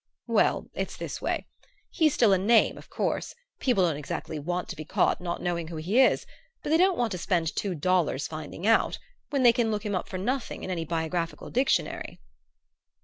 "Well, it's this way. He's a name still, of course. People don't exactly want to be caught not knowing who he is; but they don't want to spend two dollars finding out, when they can look him up for nothing in any biographical dictionary."